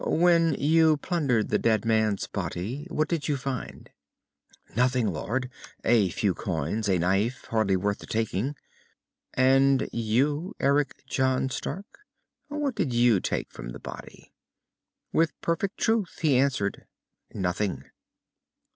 "When you plundered the dead man's body, what did you find?" "Nothing, Lord. A few coins, a knife, hardly worth the taking." "And you, Eric John Stark. What did you take from the body?" With perfect truth he answered, "Nothing."